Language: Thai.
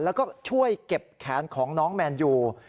แล้วก็ช่วยเก็บแขนของน้องแมนยู